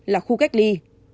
là khu cách ly